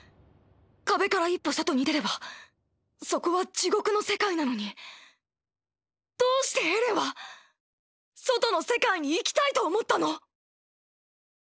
壁から一歩外に出ればそこは地獄の世界なのにどうしてエレンは外の世界に行きたいと思ったの？